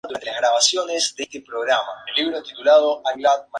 La gama de colores abarca el marrón claro, amarillento, verde, rosáceo, púrpura o gris.